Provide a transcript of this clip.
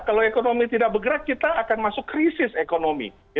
kalau ekonomi tidak bergerak kita akan masuk krisis ekonomi